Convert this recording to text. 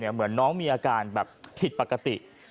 เหมือนน้องมีอาการแบบผิดปกติ